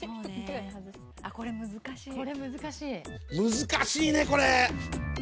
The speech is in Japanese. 難しいねこれ。